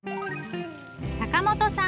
坂本さん